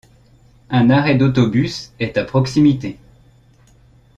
Un arrêt d'autobus est à proximité.